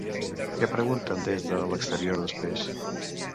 Què pregunten des de l'exterior després?